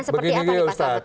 pengamanan seperti apa pak